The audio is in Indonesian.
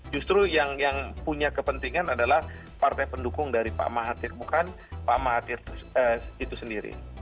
justru yang punya kepentingan adalah partai pendukung dari pak mahathir bukan pak mahathir itu sendiri